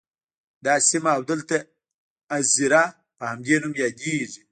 دا سیمه او دلته اَذيره په همدې نوم یادیږي.